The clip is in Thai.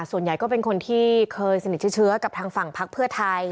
ส่วนใหญ่ก็เป็นคนที่เคยสนิทเชื้อกับทางฝั่งพักเพื่อไทย